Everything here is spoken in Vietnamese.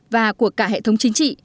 và của cả hệ thống chính trị